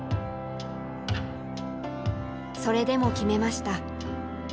それでも決めました。